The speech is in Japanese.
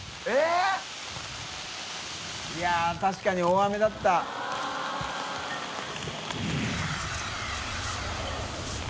┐А繊い確かに大雨だった。